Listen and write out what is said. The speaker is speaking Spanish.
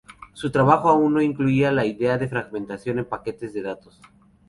Su trabajo aún no incluía la idea de fragmentación en paquetes de datos.